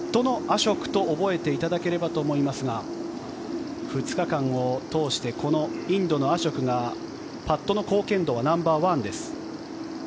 パットのアショクと覚えていただければと思いますが２日間を通してインドのアショクがパットの貢献度はナンバーワンです。